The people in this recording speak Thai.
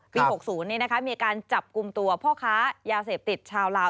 ๖๐มีการจับกลุ่มตัวพ่อค้ายาเสพติดชาวลาว